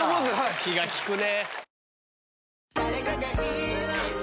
気が利くね。